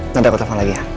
nanti aku telfon lagi ya